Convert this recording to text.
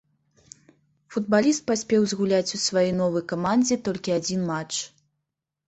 Футбаліст паспеў згуляць у сваёй новай камандзе толькі адзін матч.